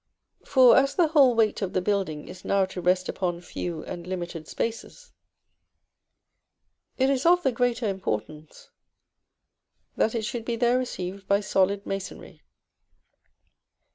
For as the whole weight of the building is now to rest upon few and limited spaces, it is of the greater importance that it should be there received by solid masonry.